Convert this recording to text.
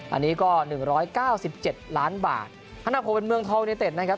อันนี้ก็หนึ่งร้อยเก้าสิบเจ็ดล้านบาทธนโพธิเป็นเมืองทอวินิเต็ดนะครับ